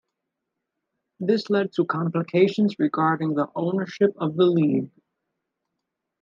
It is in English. This led to complications regarding the ownership of the league.